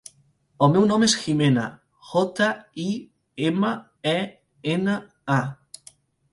El meu nom és Jimena: jota, i, ema, e, ena, a.